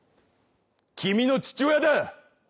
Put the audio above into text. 君の父親だ。